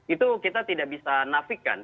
itu kita tidak bisa nafikan